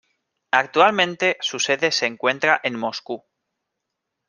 Actualmente su sede se encuentra en Moscú.